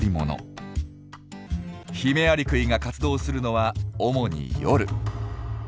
ヒメアリクイが活動するのは主に夜。